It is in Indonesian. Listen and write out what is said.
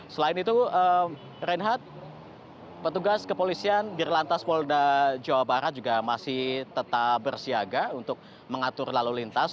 selain itu reinhard petugas kepolisian dirlantas polda jawa barat juga masih tetap bersiaga untuk mengatur lalu lintas